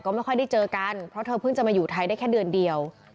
ไม่ค่อยได้เจอกันเพราะเธอเพิ่งจะมาอยู่ไทยได้แค่เดือนเดียว